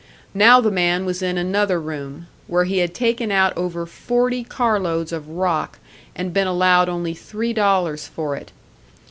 Now the man was in another room, where he had taken out over forty car loads of rock, and been allowed only three dollars for it.